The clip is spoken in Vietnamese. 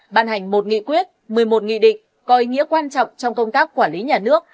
bàn hành một nghị quyết một mươi một nghị định coi nghĩa quan trọng trong công tác quản lý nhà nước